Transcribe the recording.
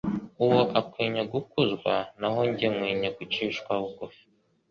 uwo akwinye gukuzwa" naho njye nkwinye gucishwa bugufi."